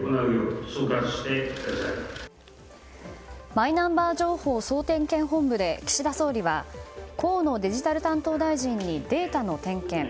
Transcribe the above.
マイナンバー情報総点検本部で岸田総理は河野デジタル担当大臣にデータの点検。